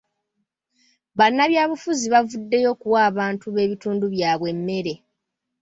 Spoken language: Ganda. Bannabyabufuzi bavuddeyo okuwa abantu b'ebitundu byabwe emmere.